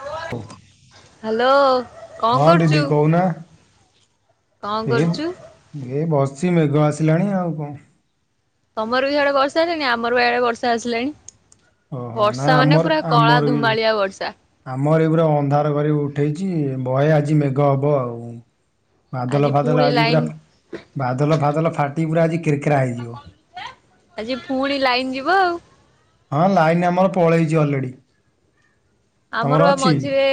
[inaudible] Hello. ହଁ ଦିଦି କହୁନା କଣ ଏଇ କରୁଛୁ? ଏ ବସିଛି ମେଘ ଆସିଲାଣି ଆଉ କଣ? ତମର ବି ସିଆଡେ ବର୍ଷା ଆସିଲାଣି ଆମର ବି ଆଡେ ବର୍ଷା ଆସିଲାଣି। ଓହୋ ନାଇଁ ବର୍ଷା ମାନେ ଆମର ପୁରା କଳା ଆମର ବି ଧୁମାଳିଆ ବର୍ଷା। ଆମର ଇଏ ପୁରା ଅନ୍ଧାର କରି ଉଠେଇଛି ବହେ ଆଜି ମେଘ ହବ ଆଉ ଆଜି ବାଦଲ ଫାଦଲ ପୁଣି ଆଜି ଲାଇନ ପୁରା ବାଦଲ ଫାଦଲ ଫାଟି ପୁରା ଆଜି କେରକେରା ହେଇଯିବ। ଆଜି ଫୁଣି ଲାଇନ ଯିବ ଆଉ ହଁ ଲାଇନ ଆମର ପଳେଇଛି ଅଲରେଡି। ତମର ଆମର ବା ଅଛି ମଝିରେ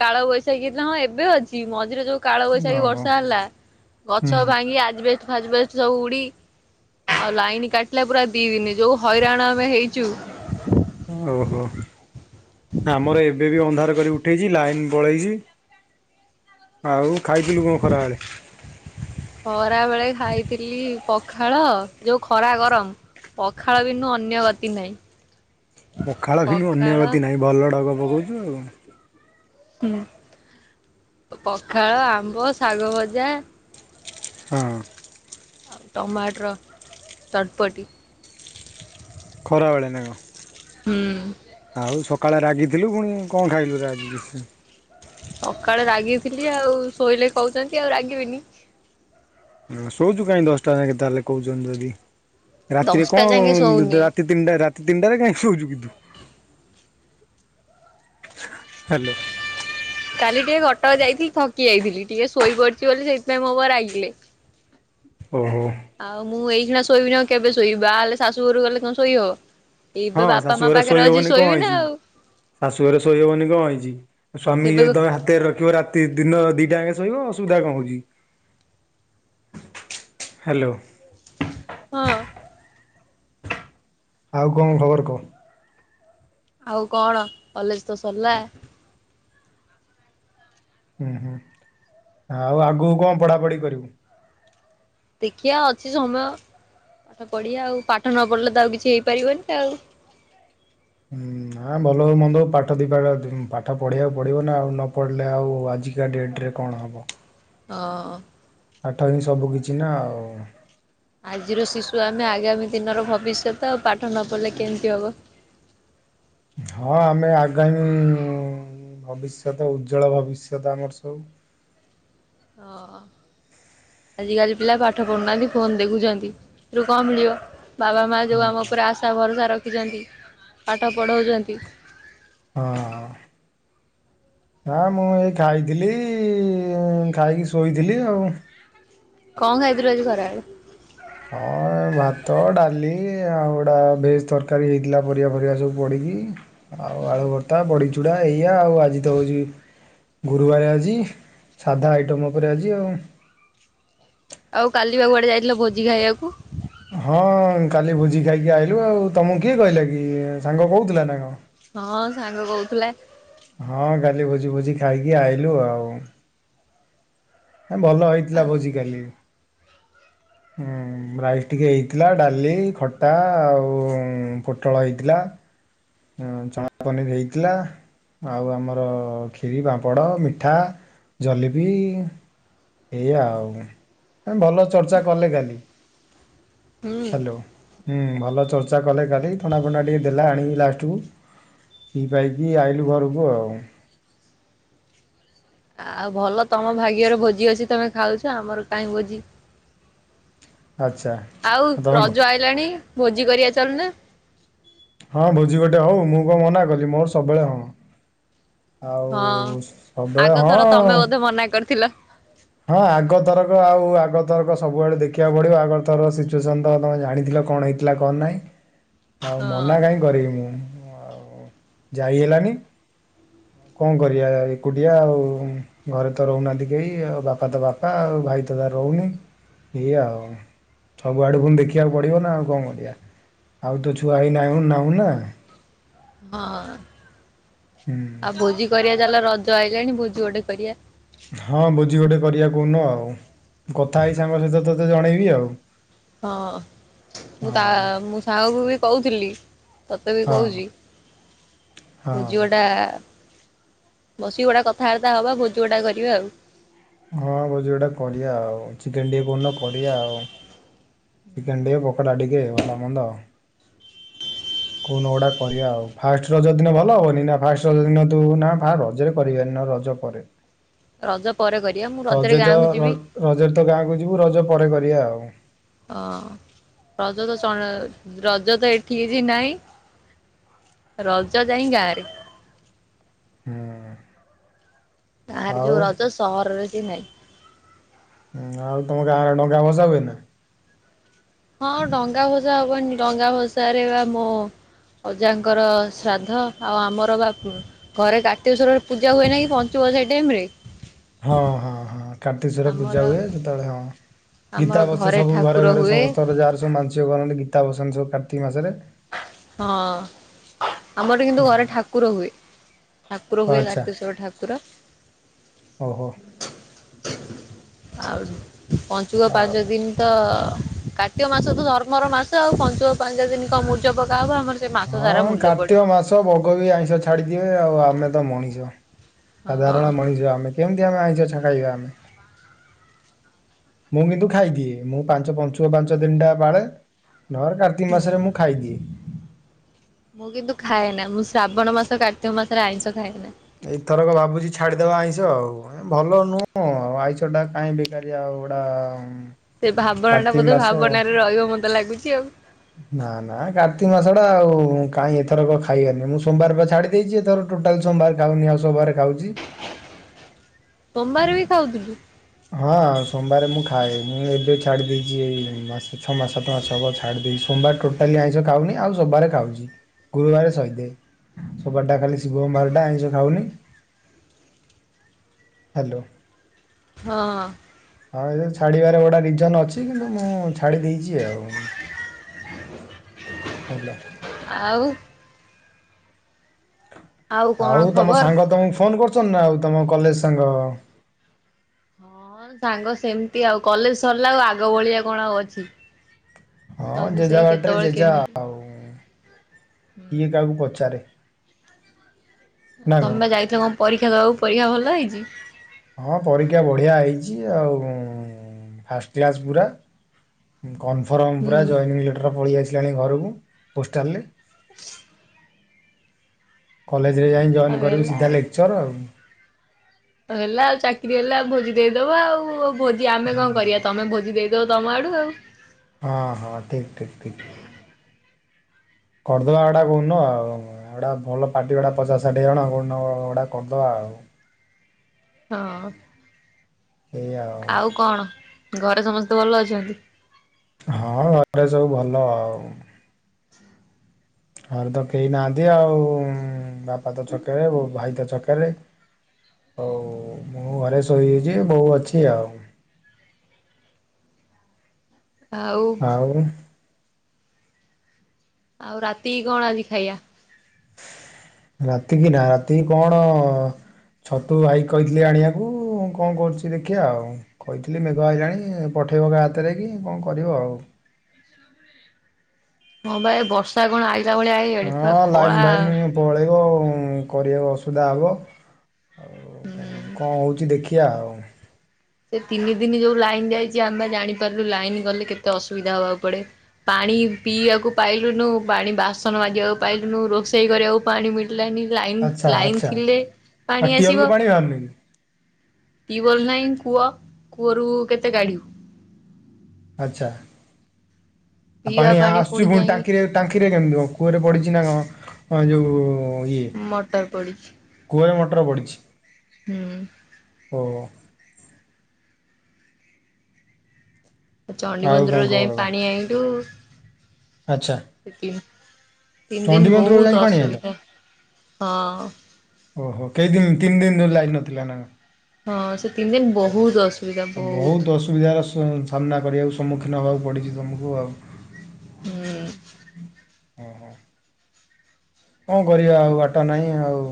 କାଳ ବୈଶାଖୀ ହେଇଥିଲା ହଁ ଏବେ ଅଛି ମଝିରେ ଯୋଉ କାଳବୈଶାଖୀ ଓହୋ ବର୍ଷା ହେଲା ହୁଁ। ଗଛ ଭାଙ୍ଗି ଆଜବେଷ୍ଟ ଫାଜବେଷ୍ଟ ସବୁ ଉଡି ଆଉ ଲାଇନ କାଟିଲା ପୁରା ଦି ଦିନି ଯୋଉ ହଇରାଣ ଆମେ ହେଇଛୁ। ଓହୋ ଆମର ଏବେ ବି ଅନ୍ଧାର କରି ଉଠେଇଛି ଲାଇନ ପଳେଇଛି। ଆଉ ଖାଇଥିଲୁ କଣ ଖରାବେଳେ? ଖରା ବେଳେ ଖାଇଥିଲି ପଖାଳ ଯୋଉ ଖରା ଗରମ। ପଖାଳ ବିନୁ ଅନ୍ୟ ଗତି ନାହିଁ। ପଖାଳ ବିନୁ ଅନ୍ୟ ଗତି ନାହିଁ ଭଲ ଢଗ ପକଉଛୁ ଆଉ ହୁଁ ପଖାଳ ଆମ୍ବ ଶାଗ ଭଜା ହଁ ଆଉ ଟମାଟର ଚଟପଟି ଖରାବେଳେ ନାଁ କଣ? ହୁଁ ଆଉ ସକାଳେ ରାଗିଥିଲୁ ପୁଣି କଣ ଖାଇଲୁ ରାଗିକି ସକାଳେ ରାଗିଥିଲି ଆଉ ଶୋଇଲେ କହୁଛନ୍ତି ଆଉ ରାଗିବିନି ହଁ ଶୋଉଛୁ କାହିଁକି ଦଶଟା ଯାକ ତାହେଲେ କହୁଛନ୍ତି ଯଦି ରାତିରେ ଦଶଟା ଯାଙ୍କେ କଣ ଶୋଉନି ରାତି ତିନଟା ରାତି ତିନଟାରେ କାହିଁକି ଶଉଛୁ କି ତୁ ହ୍ୟାଲୋ କାଲି ଟିକେ କଟକ ଯାଇଥିଲି ଥକି ଯାଇଥିଲି ଟିକେ ଶୋଇପଡିଛି ବୋଲି ସେଇଥିପାଇଁ ମୋ ଉପରେ ରାଗିଲେ। ଓହୋ ଆଉ ମୁଁ ଏଇକିନା ଶୋଇବିନି ଆଉ କେବେ ଶୋଇବି ହେଲେ ଶାଶୁ ଘରୁ ଗଲେ କଣ ଶୋଇ ହବ। ହଁ ଏବେ ବାପା ମା ଶାଶୁ ଘରେ ପାଖରେ ଶୋଇ ଅଛି ହବନି କଣ ଶୋଇବି ନା ହେଇଛି କି ଆଉ ଶାଶୁ ଘରେ ଶୋଇହବନି କଣ ହେଇଛି ସ୍ଵାମୀ ଏବେ ଯଦି ତମେ ହାତରେ ରଖିବ ରାତି ଦି ଦିନ ଦିଟା ଯାକ ଶୋଇବ ଅସୁବିଧା କଣ ହଉଛି ହେଲୋ ହଁ ଆଉ କଣ ଖବର କହ? ଆଉ କଣ କଲେଜ ତ ସରିଲା ହୁଁ ହୁଁ ଆଉ ଆଗକୁ କଣ ପଢାପଢି କରିବୁ? ଦେଖିବା ଅଛି ସମୟ ପାଠ ପଢିବା ଆଉ ପାଠ ନ ପଢିଲେ ତ ଆଉ କିଛି ହେଇପାରିବନି ଆଉ ହଁ ହଁ ଭଲ ହଉ ମନ୍ଦ ହଉ ପାଠ ଦି ପାଠ ପଢିବାକୁ ପଡିବ ନା ଆଉ ନ ପଢିଲେ ଆଉ ଆଜି ଆଜିକା ଡେଟ ରେ କଣ ହେବ? ହଁ ପାଠ ହିଁ ସବୁ କିିଛି ନା ଆଉ? ଆଜିର ଶିଶୁ ଆମେ ଆଗାମୀ ଦିନର ଭବିଷ୍ୟତ ଆଉ ପାଠ ନ ପଢ଼ିଲେ କେମତି ହବ। ହଁ ଆମେ ଆଗାମୀ ଭବିଷ୍ୟତ ଉଜ୍ଜଳ ଭବିଷ୍ୟତ ଆମର ସବୁ ହଁ ଆଜିକାଲି ପିଲା ପାଠ ପଢୁନାହାନ୍ତି ଫୋନ ଦେଖୁଛନ୍ତି ସେଥିରୁ କଣ ମିଳିବ। ବାବା ମା ଯଉ ଆମ ହଁ ଉପରେ ଆଶା ଭରସା ରଖିଛନ୍ତି ପାଠ ପଢ଼ାଉଛନ୍ତି। ହଁ ହଁ ମୁଁ ଏଇ ଖାଇଥିଲି ଖାଇକି ଶୋଇଥିଲି ଆଉ କଣ ଖାଇଥିଲୁ ଆଜି ଖରା ବେଳେ? ଅ ଏ ଭାତ ଡାଲି ଆଉ ଗୁଡ଼ା ଭେଜ୍ ତରକାରୀ ହେଇଥିଲା ପରିବା ଫରିବା ସବୁ ପଡ଼ିକି ଆଉ ଆଳୁ ଭର୍ତ୍ତା ବଡ଼ିଚୁଡ଼ା ଏଇଆ ଆଉ ଆଜି ତ ହଉଛି‌ ଗୁରୁବାରେ ଆଜି ସାଧା ଆଇଟମ୍ ଉପରେ ଆଜି ଆଉ ଆଉ କାଲିି ବା କୁଆଡ଼େ ଯାଇଥିଲ ଭୋଜି ଖାଇବାକୁ। ହଁ କାଲି ଭୋଜି ଖାଇକି ଆଇଲୁ ଆଉ ତମକୁ କିଏ କହିଲା କି ସାଙ୍ଗ କହୁଥିଲା ନା କଣ ହଁ ସାଙ୍ଗ କହୁଥିଲା। ହଁ କାଲି ଭୋଜି ଭୋଜି ଖାଇକି ଆଇଲୁ ଆଉ ଏଁ ଭଲ ହେଇଥିଲା ଭୋଜି କାଲି ହୁଁ ରାଇସ୍ ଟିକେ ହେଇଥିଲା ଡାଲି, ଖଟା ଆଉ ପୋଟଳ ହେଇଥିଲା। ହୁଁ ଚଣା ପନିର୍ ହେଇଥିଲା। ଆଉ ଆମର କ୍ଷୀରି, ପାମ୍ପଡ଼, ମିଠା, ଜଲିପି ଏଇଆା ଆଉ ଏ ଭଲ ଚର୍ଚ୍ଚା କଲେ କାଲି ହୁଁ। ହାଲୋ ହୁଁ ଭଲ ଚର୍ଚ୍ଚା କଲେ କାଲି ଥଣ୍ଡା ଫଣ୍ଡା ଟିକେ ଦେଲେ ଆଣିକି ଲାଷ୍ଟ କୁ ପିଇ ପାଇକି ଆଇଲୁ ଘରକୁ ଆଉ ଆଉ ଭଲ ତମ ଭାଗ୍ୟର ଭୋଜି ଅଛି ତମେ ଖାଉଛ ଆମର କାଇଁ ଭୋଜି ଆଚ୍ଛା ଆଉ ତମ ରଜ ଆଇଲାଣି ଭୋଜି କରିବା ଚାଲୁନା। ହଁ ଭୋଜି ଗୋଟେ ହଉ ମୁଁ କଣ ମନା କଲି ମୋର ସବୁବେଳେ ହଁ। ହଁ ଆଉ ସବୁବେଳେ ଆଗ ଥର ତମେ ହଁ-ଅ। ବୋଧେ ମନା କରିଥିଲ। ହଁ ଆଗ ତରକ ଆଉ ଆଗ ତରକ ସବୁବେଳେ ଦେଖିବାକୁ ପଡ଼ିବ ଆଗ ତର ସିଚୁଏସନ ତ ତମେ ଜାଣିଥିଲ କଣ ହେଇଥି ହେଇଥିଲା କଣ ନାଇଁ। [inaudible] ଆଉ ମନା କାଇଁ କରିବି ମୁଁ ଆଉ ଯାଇ ହେଲାନି। ଆଉ କଣ କରିଆ ଏକୁଟିଆ ଆଉ ଘରେତ ରହୁନାହାନ୍ତି କେହି ଆଉ ବାପ ବାପା ତ ବାପା ଆଉ ଭାଇତ ତାର ରହୁନି ଏଇଆ ଆଉ। ସବୁଆଡ଼ୁ ପୁଣି ଦେଖିବାକୁ ପଡ଼ିବନା ଆଉ କଣ କରିବା ଆଉ ତ ଛୁଆ ହେଇ ନାହୁଁ-ନାହୁଁନା। ହଁ ହୁଁ ଆଉ ଭୋଜି କରିବା ଚାଲ ରଜ ଆଇଲାଣି ଭୋଜି ଗୋଟେ କରିବା। ହଁ ଭୋଜି ଗୋଟେ କରିବା କୋଉଦିନ ଆଉ ମୁଁ କଥା ହେଇ ସାଙ୍ଗ ସହିତ ତତେ ଜଣେଇବି ଆଉ। ହଁ ମୁଁ ତା ହଁ ମୁଁ ସାଙ୍ଗକୁବି କହୁଥିଲି। ତତେବି ହଁ କହୁଚି ସେ ହଁ ଝିଅଟା ବସିକି ଗୋଟା କଥାବାର୍ତ୍ତା ହବା ଭୋଜି ଗୋଟା କରିବା ଆଉ। ହଁ ଭୋଜି ଗୋଟେ କରିବା ଆଉ ଚିକେନ୍ ଟିକେ କୋଉଦିନ କରିବା ଆଉ। ଚିକେନ୍ ଟିକେ ପୋକଡ଼ା ଟିକେ ଭଲ ମନ୍ଦ କୋଉଦିନ ଗୁଟା କରିବା ଆଉ ଫାଷ୍ଟ ରଜ ଦିନ ଭଲ ହବନିନା ଫାଷ୍ଟ ରଜ ଦିନ ତୁ ନା ଫା ରଜରେ କରିବାନି ନ ରଜ ପରେ ରଜ ପରେ କରିବା ମୁଁ [inaudible] ରଜରେ ରଜେ ତ ଗାଁକୁ ଯିବି ର-ରଜରେ ତ ଗାଁକୁ ଯିବୁ ରଜ ପରେ କରିବା ଆଉ। ଅଁ ରଜତ [unintelligible] ରଜତ ଏଠି କିଛି ନାହିଁ। ରଜ ଯାଇଁ ଗାଁରେ। ହୁଁ ଗାଁରେ ଆଉ ଯୋଉ ରଜ ସହରରେ ସେ ନାହିଁ। ହୁଁ ଆଉ ତମ ଗାଁରେ ଡ଼ଙ୍ଗା ଭସା ହୁଏ ନା? ହଁ ଡଙ୍ଗା ଭସା ହବନି ଡଙ୍ଗା ଭସାରେବା ମୋ ଅଜାଙ୍କର ଶ୍ରାଦ୍ଧ ଆଉ ଆମର ବା ଘରେ କାର୍ତ୍ତିକଶ୍ୱରରେ ପୂଜା ହୁଏନେକି ପଞ୍ଚୁକ ସେଇ ଟାଇମରେ। ହଁ ହଁ ହଁ କାର୍ତ୍ତିକଶ୍ଵର ଆମର ପୂଜା ହୁଏ ସେତେବେଳେ ହଁ। ଆମର ଗୀତା ବସେ ସବୁ ଘରେ ଠାକୁର ଘରେ ହୁଏ ସମସ୍ତଙ୍କ ଯାହାର ସବୁ ମାଂସିକ କରନ୍ତି ଗୀତା ବସାନ୍ତି ସବୁ କାର୍ତ୍ତିକ ମାସରେ। ହଁ ଆମର ଏଠି କିନ୍ତୁ ହଁ ଘରେ ଠାକୁର ହୁଏ। ଠାକୁର ହୁଏ ଆଚ୍ଛା କାର୍ତ୍ତିକଶ୍ବର ଠାକୁର। ଓହୋ। ଆଉ ପଞ୍ଚୁକ ଆଉ ପାଞ୍ଚ ଦିନ ତ କାର୍ତ୍ତିକ ମାସତ ଧର୍ମର ମାସ ଆଉ ପାଞ୍ଚୁକ ପାଞ୍ଚ ଦିନ କଁ ମୂର୍ଜ ପକାହବ ଆମର ସେ ମାସ ହଁ ସାରା ମୁର୍ଜ ପଡେ। କାର୍ତ୍ତିକ ମାସ ଛ ବଗବି ଆଇଁଷ ଛାଡିଦିଏ ଆଉ ଆମେତ ମଣିଷ ହଁ ସାଧାରଣ ମଣିଷ ଆମେତ କେମତି ଆମେ ଆଇଁଷ ଛଡ଼ାଇବା ଆମେ? ମୁଁ କିନ୍ତୁ ଖାଇଦିଏ ମୁଁ ପାଞ୍ଚ ପଞ୍ଚୁଅ ପାଞ୍ଚ ଦିନିଟା ପାଳେ ନହେଲେ କା ତି ହୁଁ ମାସରେ ମୁଁ ଖାଇଦିଏ। ମୁଁ କିନ୍ତୁ ଖାଏନା ମୁଁ ଶ୍ରାବଣ ମାସ କାର୍ତ୍ତିକ ମାସରେ ଆଇଁଷ ଖାଏନା। ଏଇଥରକ ଭାବୁଚି ଛାଡ଼ିଦବା ଆଇଁଷ ଆଉ। ଭଲ ନୁ-ଅ ଆ ଆଇଁଷଟା କାହିଁ ବେକାରୀଆ ଗୁଡ଼ା ସେ ଭାବନାଟା ବୋଧେ ଭାବନାରେ ରହିବ ମତେ ଲାଗୁଚି ଆଉ। ନା ନା କାର୍ତ୍ତିକ ମାସଟା ଆଉ କାଇଁ ଏଥରକ ଖାଇବନି ମୁଁ ସୋମବାରବା ଛାଡ଼ି ଦେଇଚି ଏଥର ଟୋଟାଲି ସୋମବାର ଖାଉନି ଆଉ ସବୁବାରେ ଖାଉଚି। ସୋମବାରବି ଖାଉଥିଲୁ? ହଁ ସୋମବାରେ ମୁଁ ଖାଏ ମୁଁ ଏବେ ଛାଡ଼ି ଦେଇଚି ଏଇ ମାସ ଛଅ ମାସ ସାତ ମାସ ହବ ଛାଡ଼ି ଦେଇଚି ସୋମବାର ଟୋଟାଲି ଆଇଁଷ ଖାଉନି ଆଉ ସବୁବାରେ ଖାଉଚି। ଗୁରୁବାର ସହିଦେ ସୋମବାରଟା ଖାଲି ଶିବଙ୍କବାରଟା ଆଇଁଷ ଖାଉନି। ହାଲୋ। ହଁ। ହଁ ଏ ଛାଡ଼ିବାରେ ଗୋଟା ରିଜନ୍ ଅଛି କିନ୍ତୁ ମୁଁ ଛାଡ଼ି ଦେଇଚି ଆଉ। ହାଲୋ। ଆଉ? କଣ ଆଉ ତମ ଖବର? ସାଙ୍ଗ ତମୁ ଫୋନ୍ କରୁଚନ୍ତି ନାଁ ଆଉ ତମ କଲେଜ୍ ସାଙ୍ଗ? ହଁ ସାଙ୍ଗ ସେମତି ଆଉ କଲେଜ୍ ସରଲା ଆଉ ଆଗ ଭଳିଆ କଣ ଆଉ ଅଛି? ହଁ ସବୁ ଯେଝା ସେଇ ବାଟରେ କେତେବେଳେ ଯେଝା। କେମିତି ହୁଁ। କିଏ କାହାକୁ ପଚାରେ? ନା ତମେ କଣ? ବା ଯାଇଥିଲ କଁ ପରୀକ୍ଷା ଦବାକୁ ପରୀକ୍ଷା ଭଲ ହେଇଚି? ହଁ ପରୀକ୍ଷା ବଢ଼ିଆ ହେଇଚି ଆଉ ଫାଷ୍ଟ କ୍ଲାସ୍ ପୁରା। କନଫର୍ମ ପୁରା ହୁଁ ଜଏନିଂ ଲେଟର୍ ପଳିଆସିଲାଣି ଘରୁକୁ ପୋଷ୍ଟାଲ୍ ରେ। କଲେଜ୍ ରେ ଯାଇଁ ଜଏନ୍ ଆଉ କରିମି ହେଲା ସିଧା ଲେକ୍ଚର୍ ଆଉ। ଆଉ ହେଲା ଆଉ ଚାକିରି ହେଲା ଭୋଜି ଦେଇଦବ ଆଉ ଭୋଜି ଆମେ ହଁ କଁ କରିବା ତମେ ଭୋଜି ଦେଇଦବ ତମ ଆଡ଼ୁ ଆଉ। ହଁ ହଁ ଠିକ୍ ଠିକ୍ ଠିକ୍। କରଦବା ଓଟା କୋଉନ ଆଉ ଆଅଡ଼ା ଭଲ ପାର୍ଟି ଗୋଟା ପଚାଶ ଷାଠିଏ ଜଣ କୋଉଦିନ ଓଟା କରଦବା ଆଉ। ହଁ ଆଉ କଣ ଘରେ ସମସ୍ତେ ଭଲ ଅଛନ୍ତି? ହଁ ଘରେ ସବୁ ଭଲ ଆଉ। ଘରେ ତ କେହି ନାହାନ୍ତି ଆଉ ବାପା ତ ଛକରେ ବୋଉ ଭାଇ ତ ଛକରେ। ଓ ମୁଁ ଘରେ ଶୋଇଚି ବୋଉ ଅଛି ଆଉ। ଆଉ? ଆଉ ରାତିକି କଣ ଆଜି ଖାଇଆ? ରାତି କି ରାତିକି କଣ ଛତୁ ଭାଇ କହିଥିଲି ଆଣିବାକୁ କଁ କରୁଚି ଦେଖିଆ ଆଉ। କହିଥିଲି ମେଘ ଆଇଲାଣି ପଠେଇବ କା ହାତରେ କି କଁ କରିବ ଆଉ। ହଁ ବା ଏ ବର୍ଷା କଣ ଆଇଲା ଭଳିଆ ଆଇଆଣି ପୁରା ହଁ କଳା ଲାଇନ୍ ଫାଇନ୍ ପଳେଇବ ଉଁ କରିବାକୁ ଅସୁବିଧା ହବ ଆଉ କଁ କଁ ହଉଚି ଦେଖି କିଆ ଆଉ। ସେ ତିନି ଦିନି ଯୋଉ ଲାଇନ୍ ଯାଇଚି ଆମେ ବା ଜାଣିପାରଲୁ ଲାଇନ୍ ଗଲେ କେତେ ଅସୁବିଧା ହବାକୁ ପଡ଼େ। ପାଣି ପିଇବାକୁ ପାଇଲୁନୁ ପାଣି ବାସନ ମାଜିବାକୁ ପାଇଲୁନୁ ରୋଷେଇ କରିବାକୁ ପାଣି ମିଳ ଲାନି ଲାଇନ୍ ଆଚ୍ଛା ଲାଇନ୍ ଆଚ୍ଛା ଥିଲେ ଆଉ ପାଣି ଟିଅଲରୁ ଆସିବ। ପାଣି ବାହାରୁନି କି ଟିୱଲ୍ ନାହିଁ କୂଅ। କୂଅରୁ କେତେ କାଢ଼ିବୁ? ଆଚ୍ଛା ଆ ପିଇବା ପାଣି ଆ ଆସୁଚି ପୁଣି ଫୁଣି ଯାଇ ଟାଙ୍କିରେ ଟାଙ୍କିରେ କେମିତି କଁ କୂଅରେ ପଡ଼ିଚି ନାଁ କଁ ଯୋଉ ମଟର୍ ପଡ଼ିଚି। କୂଅରେ ମଟର୍ ପଡ଼ିଛି? ହୁଁ। ଓ। ଚଣ୍ଡି ଆଉ କଣ ମନ୍ଦିରରୁ ଯାଇ ଖବର କହ ପାଣି ଆଇଁଲୁ। ଆଚ୍ଛା। ସେ ତିନ୍ ତିନ୍ ଦିନ୍ ଚଣ୍ଡୀ ମନ୍ଦିରରୁ ଯାଇ ବହୁତ ପାଣି ଆଇଲ ଅସୁବିଧା। ହଁ। ଓହୋ କେଇ ଦିନ୍ ତିନ୍ ଦିନ୍ ଯୋଉ ଲାଇନ୍ ନଥିଲା ନାଁ? ହଁ ସେ ତିନ୍ ଦିନ୍ ବହୁତ ଅସୁବିଧା ବହୁତ। ସୁବିଧାର ସ ସାମ୍ନା କରିବାକୁ ସମ୍ମୁଖୀନ ହବାକୁ ପଡ଼ିଚି ତୁମୁକୁ ଆଉ। ହଁ। କଁ ହଁ। କଁ କରିବା ଆଉ ବାଟ ନାହିଁ ଆଉ।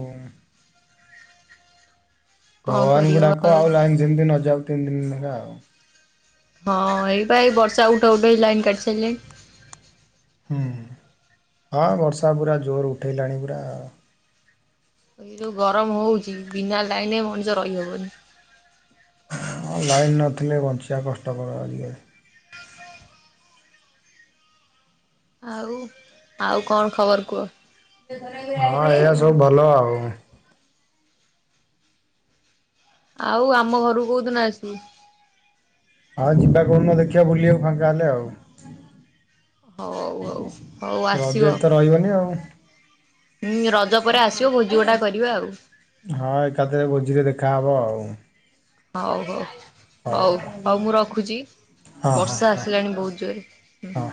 କଣ ଭଗବାନଙ୍କୁ କରିହବ ଡାକ ଆଉ ଲାଇନ୍ ଯେମିତି ନଜାଉ ତିନ୍ ଦିନ୍ ନେଖା ଆଉ। ହଁ ଏଇ ପା ଏଇ ବର୍ଷା ଉଠ ଉଠେଇ ଲାଇନ୍ କାଟିିସାଇଲାଇଁ। ହୁଁ ହଁ ବର୍ଷା ପୁରା ଜୋର ଉଠାଇଲାଣି ପୁରା। ଏ ଯୋଉ ଗରମ ହଉଛି ବିନା ଲାଇନରେ ମଣିଷ ରହିହବନି। ହଁ ଲାଇନ୍ ନଥିଲେ ବଞ୍ଚିବା କଷ୍ଟକର ଆଜିକାଲି। ଆଉ ଆଉ କଣ ଖବର କୁହ? ହଁ ଏଇଆ ସବୁ ଭଲ ଆଉ। ଆଉ ଆମ ଘରକୁ କୋଉଦିନ ଆସିବୁ? ହଁ ଯିବା କଉଦିନ ଦେଖିବା ବୁଲିବାକୁ ଫାଙ୍କା ହେଲେ ଆଉ। ହଉ ହଉ ହଉ [inaudible] ଆସିବ ରଜରେ ତ ରହିବନି ଆଉ। ହୁଁ ରଜ ପରେ ଆସିବ ଭୋଜି ଗୋଟାଏ କରିଵା ଆଉ। ହଁ ଏକାଥରେ ଭୋଜିରେ ଦେଖାହବ ଆଉ। ହଉ ହଉ ହଉ ହଉ ମୁଁ ରଖୁଛି ହଁ ହଁ ବର୍ଷା ହଁ ଆସିଲାଣି ବହୁତ ଜୋରେ। ହଁ